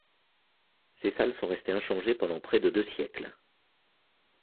Ces salles sont restées inchangées pendant près de deux siècles.